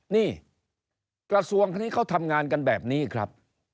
นี่กระทรวงที่เขาทำงานกันแบบนี้ครับ